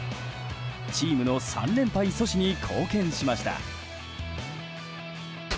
チームの３連敗阻止に貢献しました。